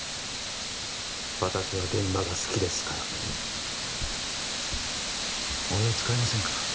私は現場が好きですから俺を使いませんか？